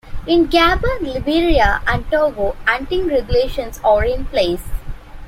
In Gabon, Liberia and Togo, hunting regulations are in place.